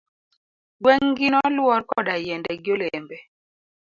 Gweng' gi noluor koda yiende gi olembe.